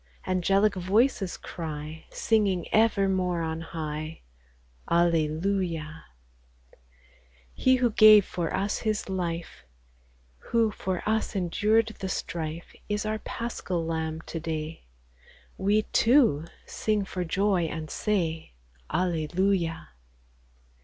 angelic voices cry, Singing ever more on high, — Alleluia ! He who gave for us His life, Who for us endured the strife, Is our Paschal Lamb to day \ We, too, sing for joy, and say, — Alleluia